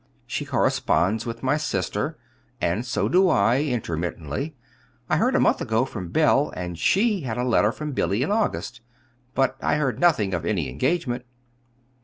She corresponds with my sister, and so do I intermittently. I heard a month ago from Belle, and she had a letter from Billy in August. But I heard nothing of any engagement."